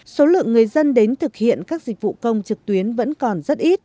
số lượng người dân đến thực hiện các dịch vụ công trực tuyến vẫn còn rất ít